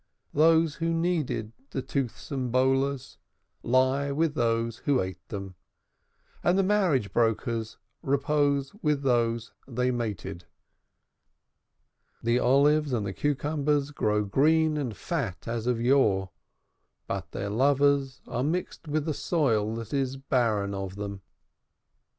Those who kneaded the toothsome "bolas" lie with those who ate them; and the marriage brokers repose with those they mated. The olives and the cucumbers grow green and fat as of yore, but their lovers are mixed with a soil that is barren of them.